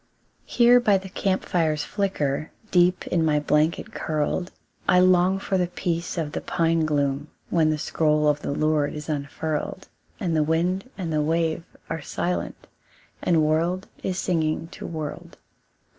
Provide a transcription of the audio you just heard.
Here by the camp fire's flicker, Deep in my blanket curled, I long for the peace of the pine gloom, When the scroll of the Lord is unfurled, And the wind and the wave are silent, And world is singing to world.